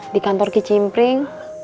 di kantor kicimpring